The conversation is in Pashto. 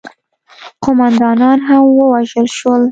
قوماندانان هم ووژل شول.